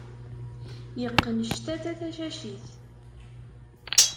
Iqqen ctata tacacit.